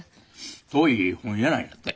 遠い本屋なんやって。